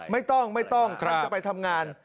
ไม่ต้องท่านจะไปทำงาน